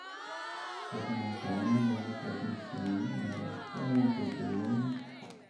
Tormentone della trasmissione era "Qual è il tuo problema?